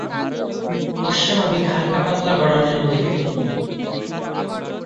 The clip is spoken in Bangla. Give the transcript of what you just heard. অস্বাভাবিক হাল্কা-পাতলা গড়নের অধিকারী তিনি।